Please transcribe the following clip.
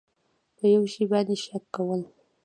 په یو شي باندې شک کول